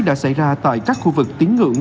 đã xảy ra tại các khu vực tín ngưỡng